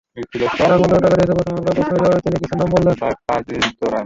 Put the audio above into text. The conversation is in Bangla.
কার মাধ্যমে টাকা দিয়েছেন, প্রথম আলোর প্রশ্নের জবাবে তিনি কিছু নাম বললেন।